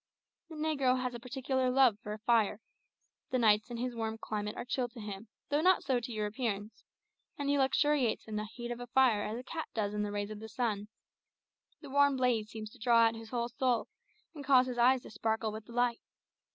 The negro has a particular love for a fire. The nights in his warm climate are chill to him, though not so to Europeans, and he luxuriates in the heat of a fire as a cat does in the rays of the sun. The warm blaze seems to draw out his whole soul, and causes his eyes to sparkle with delight.